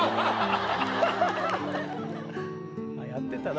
あっやってたな。